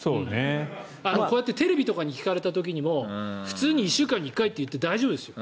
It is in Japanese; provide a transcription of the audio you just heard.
こうやってテレビとかに聞かれた時も普通に１週間に１回と言って大丈夫ですよ。